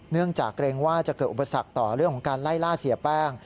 เนื่องจากเกรงว่าจะเกิดอุปสรรคต่อเรื่องของการไล่ล่าเสียแป้ง